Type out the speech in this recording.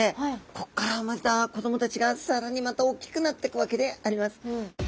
ここから生まれた子供たちが更にまた大きくなっていくわけであります。